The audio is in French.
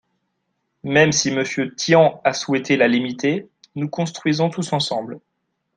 Même si Monsieur Tian a souhaité la limiter, Nous construisons tous ensemble